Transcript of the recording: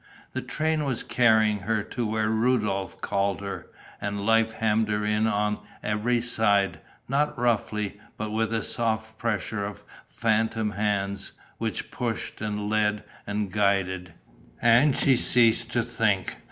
The train was carrying her to where Rudolph called her; and life hemmed her in on every side, not roughly, but with a soft pressure of phantom hands, which pushed and led and guided.... And she ceased to think.